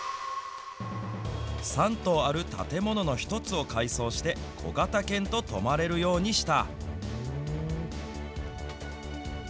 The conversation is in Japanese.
３棟ある建物の一つを改装して、小型犬と泊まれるようにした。